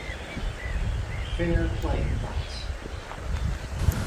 Fair play points.